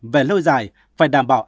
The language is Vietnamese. về lâu dài phải đảm bảo an sĩ